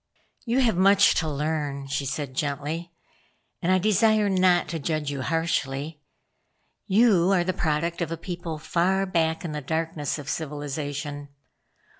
"You have much to learn," she said gently, "and I desire not to judge you harshly. You are the product of a people far back in the darkness of civilization.